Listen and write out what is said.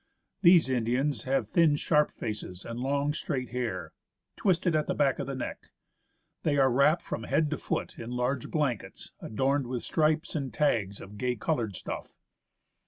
These Indians have thin sharp faces and long straight hair, twisted at the back of the neck. They are wrapped from head to foot in large blankets adorned with stripes and tags of gay coloured stuff.